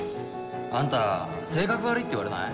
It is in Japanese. あんた性格悪いって言われない？